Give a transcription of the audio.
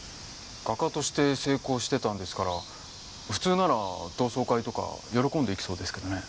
画家として成功してたんですから普通なら同窓会とか喜んで行きそうですけどね。